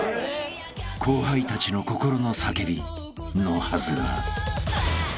［後輩たちの心の叫びのはずが］